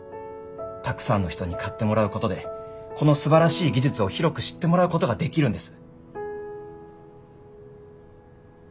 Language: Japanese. たくさんの人に買ってもらうことでこのすばらしい技術を広く知ってもらうことができるんです。